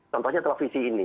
contohnya televisi ini